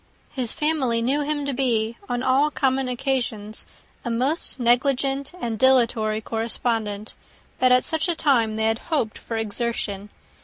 His family knew him to be, on all common occasions, a most negligent and dilatory correspondent; but at such a time they had hoped for exertion.